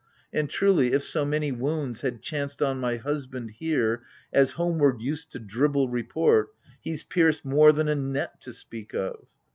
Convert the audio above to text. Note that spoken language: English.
And truly, if so many wounds had chanced on My husband here, as homeward used to dribble Report, he's pierced more than a net to speak of